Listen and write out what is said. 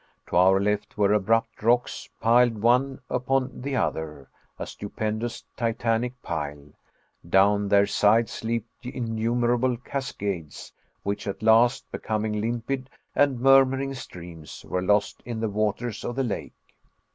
To our left were abrupt rocks, piled one upon the other a stupendous titanic pile; down their sides leaped innumerable cascades, which at last, becoming limpid and murmuring streams, were lost in the waters of the lake.